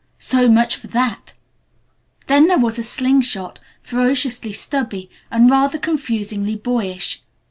So much for that! Then there was a sling shot, ferociously stubby, and rather confusingly boyish.